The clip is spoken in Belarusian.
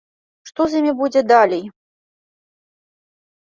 Што з імі будзе далей?